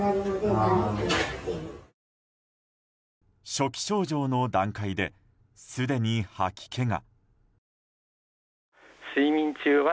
初期症状の段階ですでに吐き気が。